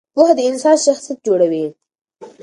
پوهه د انسان شخصیت جوړوي.